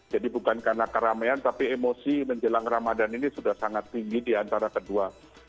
jadi bukan karena keramaian tapi emosi menjelang ramadan ini sudah sangat tinggi diantara kedua